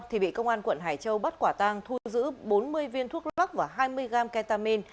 thì bị công an quận hải châu bắt quả tang thu giữ bốn mươi viên thuốc lắc và hai mươi gram ketamin